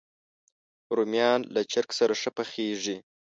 رومیان له چرګ سره ښه پخېږي